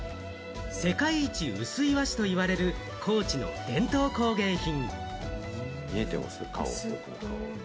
世界一薄い和紙と言われる高知の伝統工芸品。